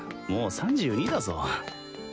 もう３２だぞ。